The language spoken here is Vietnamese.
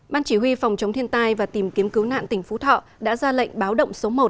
ban chỉ huy phòng chống thiên tai và tìm kiếm cứu nạn tỉnh phú thọ đã ra lệnh báo động số một